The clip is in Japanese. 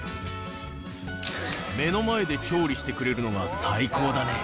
目の前で調理してくれるのが最高だね。